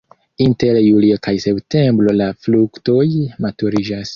Inter julio kaj septembro la fruktoj maturiĝas.